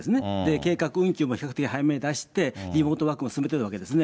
計画運休も比較的早めに出して、リモートワークも進んでくるわけですね。